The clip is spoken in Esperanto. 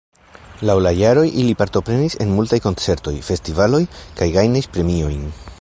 Laŭ la jaroj ili partoprenis en multaj koncertoj, festivaloj kaj gajnis premiojn.